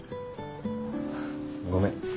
ごめん